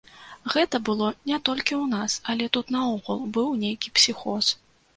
Гэта было не толькі ў нас, але тут наогул быў нейкі псіхоз.